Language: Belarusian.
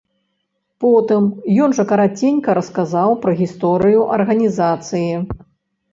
Потым ён жа караценька расказаў пра гісторыю арганізацыі.